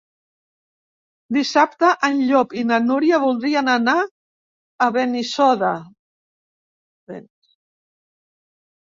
Dissabte en Llop i na Núria voldrien anar a Benissoda.